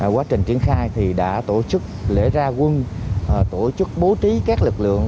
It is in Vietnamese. quá trình triển khai thì đã tổ chức lễ ra quân tổ chức bố trí các lực lượng